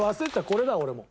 これだ俺も。